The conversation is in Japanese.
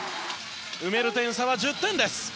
埋める点差は１０点です。